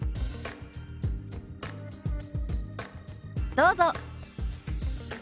どうぞ。